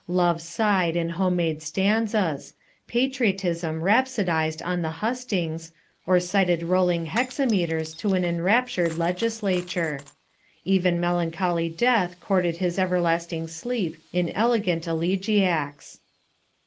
Love sighed in home made stanzas. Patriotism rhapsodized on the hustings, or cited rolling hexameters to an enraptured legislature. Even melancholy death courted his everlasting sleep in elegant elegiacs.